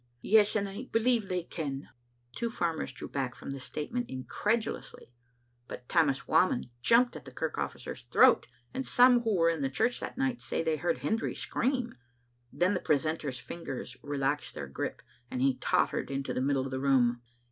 Yes, and I believe they ken." The two farmers drew back from this statement in credulously; but Tammas Whamond jumped at the kirk officer's throat, and some who were in the church that night say they heard Hendry scream. Then the precentor's fingers relaxed their grip, and he tottered into the middle of the room.